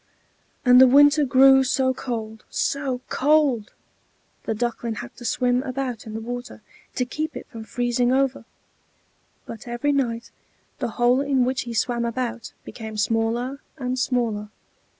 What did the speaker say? And the winter grew so cold, so cold! The Duckling had to swim about in the water, to keep it from freezing over; but every night the hole in which he swam about became smaller and smaller.